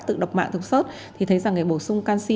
tự độc mạng thực xuất thì thấy rằng bổ sung canxi